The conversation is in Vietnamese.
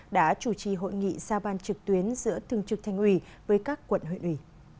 đã chủ trì hội nghị giao ban trực tuyến giữa thường trực thành ủy với các quận huyện ủy